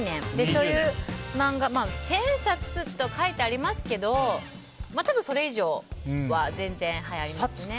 所有マンガ１０００冊と書いてありますけど多分、それ以上は全然ありますね。